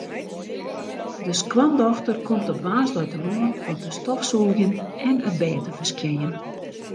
De skoandochter komt op woansdeitemoarn om te stofsûgjen en it bêd te ferskjinjen.